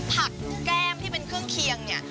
ผักแก้มที่เป็นเครื่องเคียงเนี่ย